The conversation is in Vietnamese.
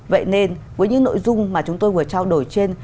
vậy nên với những nội dung mà chúng tôi vừa trao đổi trên